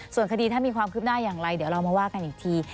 ส่วนคดีถ้ามีความคืบหน้าอย่างไรเดี๋ยวเรามาว่ากันอีกที